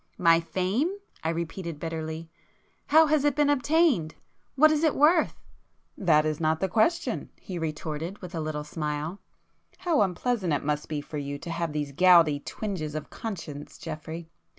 "My fame!" I repeated bitterly—"How has it been obtained? What is it worth?" "That is not the question;" he retorted with a little smile; "How unpleasant it must be for you to have these gouty twinges of conscience Geoffrey!